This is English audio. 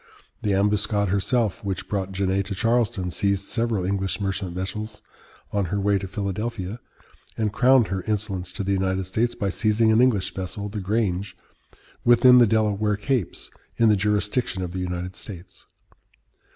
The Ambuscade herself, which brought Genet to Charleston, seized several English merchant vessels on her way to Philadelphia, and crowned her insolence to the United States by seizing an English vessel, the Grange, within the Delaware capes, in the jurisdiction of the United States.